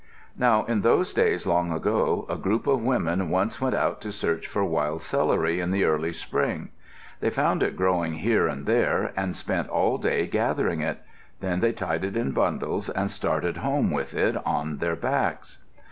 Now in those days long ago, a group of women once went out to search for wild celery in the early spring. They found it growing here and there, and spent all day gathering it. Then they tied it in bundles and started home with it on their backs.